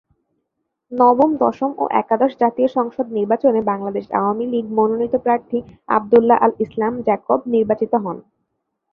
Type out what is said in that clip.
নবম, দশম ও একাদশ জাতীয় সংসদ নির্বাচনে বাংলাদেশ আওয়ামী লীগ মনোনীত প্রার্থী আব্দুল্লাহ আল ইসলাম জ্যাকব নির্বাচিত হন।